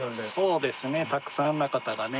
そうですねたくさんの方がね